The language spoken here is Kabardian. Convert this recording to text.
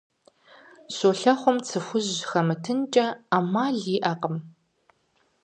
Щолэхъум цы хужь хэмытынкӀэ Ӏэмал иӀэкъым.